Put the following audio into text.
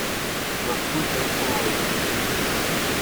Ssneɣ kan kra n wawalen.